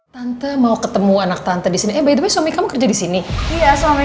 tante mau ketemu anak tante disini eh by the way suami kamu kerja disini iya suami